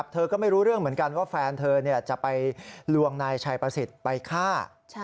เธอก็ไม่รู้เรื่องเหมือนกันว่าแฟนเธอจะไปลวงนายชัยประสิทธิ์ไปฆ่า